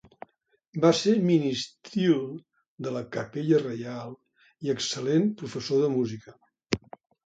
Va ser ministril de la capella reial i excel·lent professor de música.